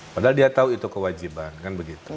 padahal dia tahu itu kewajiban kan begitu